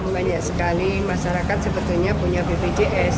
banyak sekali masyarakat sebetulnya punya bpjs